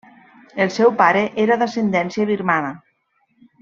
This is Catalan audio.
El seu pare era d'ascendència birmana.